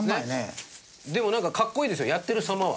でもなんかかっこいいですよやってる様は。